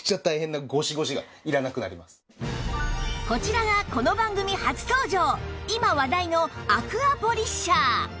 こちらがこの番組初登場今話題のアクアポリッシャー